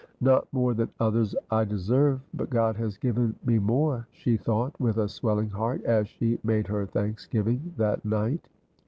"Not more than others I deserve, but God has given me more," she thought, with a swelling heart, as she made her thanksgiving that night.